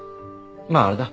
まああれだ。